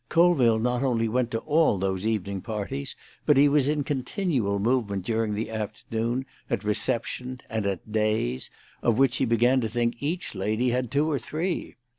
Colville not only went to all those evening parties, but he was in continual movement during the afternoon at receptions and at "days," of which he began to think each lady had two or three.